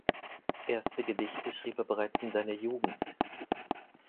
Erste Gedichte schrieb er bereits in seiner Jugend.